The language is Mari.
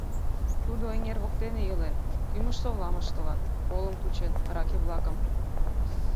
Тудо эҥер воктене илен, кӱмыж-совлам ыштылын, колым кучен, раке-влакым.